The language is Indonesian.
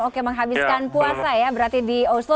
oke menghabiskan puasa ya berarti di oslo